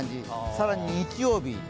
更に日曜日。